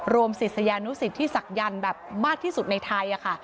รวมศิษยานุสิตที่ศักดิ์ยันทร์แบบมากที่สุดในไทยค่ะ